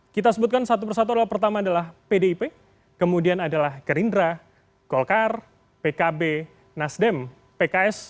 kita sebutkan satu persatu adalah pertama adalah pdip kemudian adalah gerindra golkar pkb nasdem pks